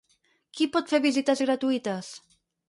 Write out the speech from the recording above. Qui pot fer visites gratuïtes?